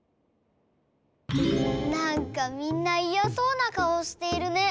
なんかみんないやそうなかおしているね。